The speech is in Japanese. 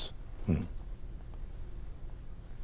うん。